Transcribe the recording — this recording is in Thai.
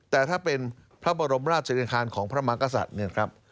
แต่ถ้าเป็นพระบรมราชิการของพระมักษัตริย์